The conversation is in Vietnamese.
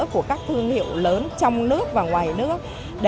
của các thương hiệu lớn trong nước và ngoài nước